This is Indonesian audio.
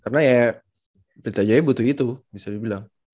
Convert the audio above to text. karena ya berarti ajanya butuh itu bisa dibilang